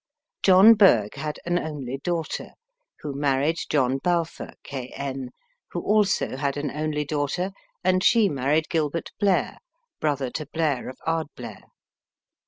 John Burgh had an only daughter, who married John Balfour, K. N., who also had an only daughter, and she married Gilbert Blair, brother to Blair of Ard Blair.